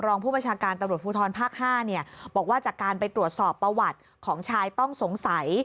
รองผู้บัญชาการตำรวจภูทรภาค๕บอกว่าจากการไปตรวจสอบประวัติของชายต้องสงสัย